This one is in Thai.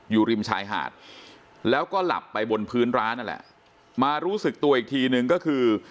อยู่ริมชายหาดแล้วก็หลับไปบนพื้นร้านนั่นแหละมารู้สึกตัวอีกทีนึงก็คือ